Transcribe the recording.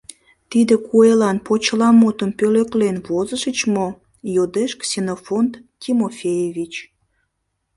— Тиде куэлан почеламутым пӧлеклен возышыч мо? — йодеш Ксенофонт Тимофеевич.